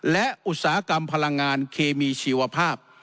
และอุตสาหกรรมพลังงานเคมีชีวภาพ